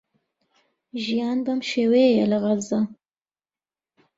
ژیان بەم شێوەیەیە لە غەزە.